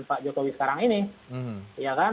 pak jokowi sekarang ini